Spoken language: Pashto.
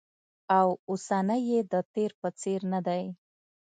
او اوسنی یې د تېر په څېر ندی